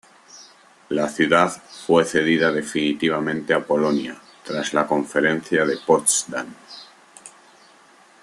La ciudad fue cedida definitivamente a Polonia tras la Conferencia de Potsdam.